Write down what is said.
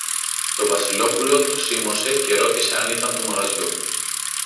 Το Βασιλόπουλο το σίμωσε και ρώτησε αν ήταν του μαγαζιού.